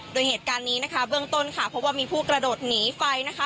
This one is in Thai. โดยเหตุการณ์นี้นะคะเบื้องต้นค่ะเพราะว่ามีผู้กระโดดหนีไฟนะคะ